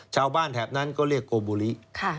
ชาวบ้านแถวนั้นก็เรียกโกบุรี